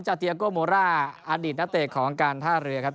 เตียโกโมร่าอดีตนักเตะของการท่าเรือครับ